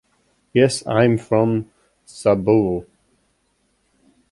Yes, I’m from Sabboro.